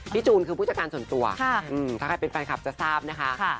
จูนคือผู้จัดการส่วนตัวถ้าใครเป็นแฟนคลับจะทราบนะคะ